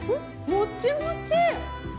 もちもち。